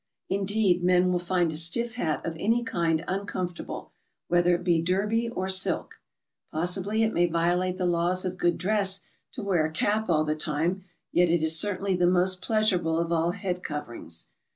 Indeed, men will find a stiff hat of any kind uncomfortable, whether it be Derby or silk. Possibly it may violate the laws of good dress to wear a cap all the time, yet it is certainly the most pleasurable of all head coverings.